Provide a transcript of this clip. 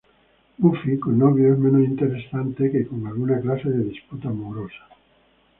Buffy con novio es menos interesante que con alguna clase de disputa amorosa.